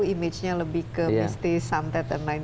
image nya lebih ke mistis